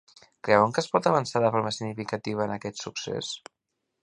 Creuen que es pot avançar de forma significativa en aquest succés?